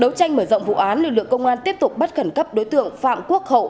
đấu tranh mở rộng vụ án lực lượng công an tiếp tục bắt khẩn cấp đối tượng phạm quốc hậu